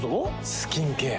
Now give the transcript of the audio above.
スキンケア。